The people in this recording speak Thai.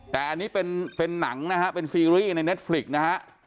แต่อันนี้เป็นหนังนะฮะเป็นซีรีส์ในเน็ตฟลิกนะฮะ